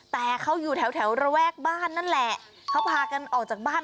แต่เขาอยู่แถวแถวระแวกบ้านนั่นแหละเขาพากันออกจากบ้าน